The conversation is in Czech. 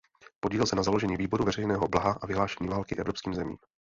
Podílel se na založení Výboru veřejného blaha a vyhlášení války evropským zemím.